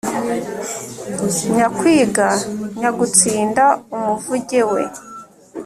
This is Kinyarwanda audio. nyakwiga nyagutsinda umuvuge we